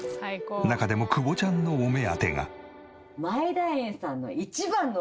中でも久保ちゃんのお目当てが。